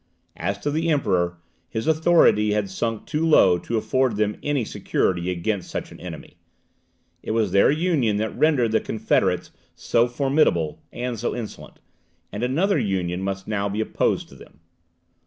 As to the Emperor, his authority had sunk too low to afford them any security against such an enemy. It was their Union that rendered the confederates so formidable and so insolent; and another union must now be opposed to them.